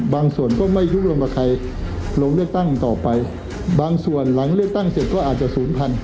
ก็ไม่ยุบลงกับใครลงเลือกตั้งต่อไปบางส่วนหลังเลือกตั้งเสร็จก็อาจจะศูนย์พัน